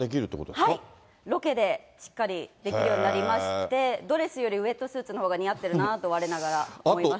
はい、ロケでしっかりできるようになりまして、ドレスよりウエットスーツのほうが似合ってるなあと、われながら思います。